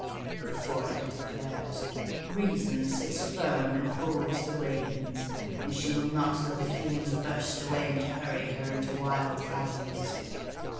The forehead declares, 'Reason sits firm and holds the reins, and she will not let the feelings burst away and hurry her to wild chasms.